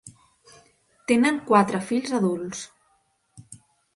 Tenen quatre fills adults.